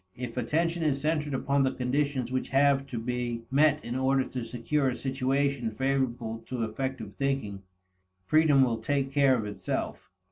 If attention is centered upon the conditions which have to be met in order to secure a situation favorable to effective thinking, freedom will take care of itself.